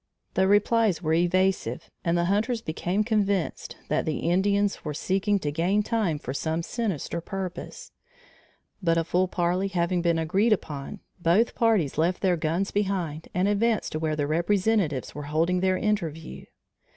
The replies were evasive and the hunters became convinced that the Indians were seeking to gain time for some sinister purpose; but a full parley having been agreed upon, both parties left their guns behind and advanced to where their representatives were holding their interview.